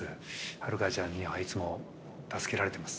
ハルカちゃんにはいつも助けられてます。